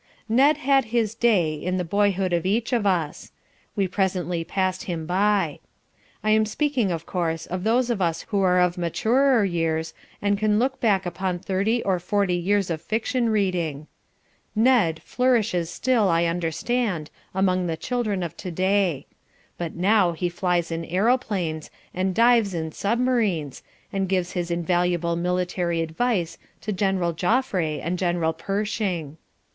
Ned had his day, in the boyhood of each of us. We presently passed him by. I am speaking, of course, of those of us who are of maturer years and can look back upon thirty or forty years of fiction reading. "Ned," flourishes still, I understand, among the children of today. But now he flies in aeroplanes, and dives in submarines, and gives his invaluable military advice to General Joffre and General Pershing.